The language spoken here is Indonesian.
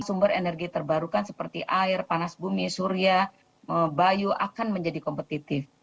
sumber energi terbarukan seperti air panas bumi surya bayu akan menjadi kompetitif